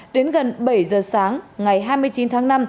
đến gần bảy giờ sáng ngày hai mươi chín tháng năm